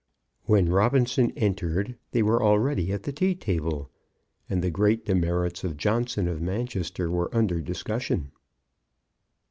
When Robinson entered, they were already at the tea table, and the great demerits of Johnson of Manchester were under discussion.